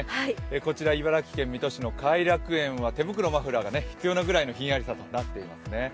こちら、茨城県水戸市の偕楽園は手袋、マフラーが必要ぐらいのひんやりさとなっていますね。